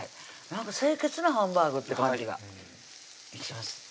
清潔なハンバーグって感じが致します